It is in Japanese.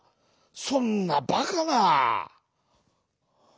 そんなバカな」。